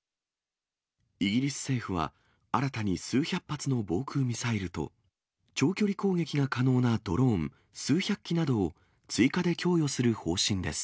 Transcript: イギリス政府は、新たに数百発の防空ミサイルと、長距離攻撃が可能なドローン数百機などを追加で供与する方針です。